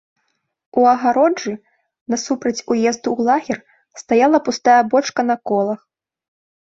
У агароджы, насупраць уезду ў лагер, стаяла пустая бочка на колах.